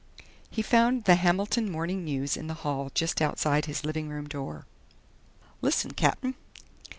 He found The Hamilton Morning News in the hall just outside his living room door. "Listen, Cap'n....